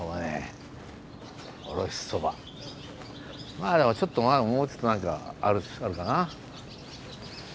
まあでもちょっとまだもうちょっと何かあるかな。